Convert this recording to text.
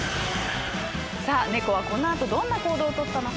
さあ猫はこの後どんな行動を取ったのか。